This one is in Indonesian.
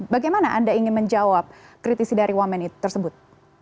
bagaimana anda ingin menjawab kritisi dari wamen tersebut